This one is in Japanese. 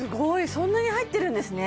そんなに入ってるんですね